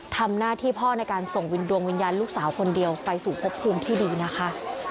ทำหน้าที่พ่อในการส่งวินดวงวิญญาณลูกสาวคนเดียวไปสู่พบภูมิที่ดีนะคะ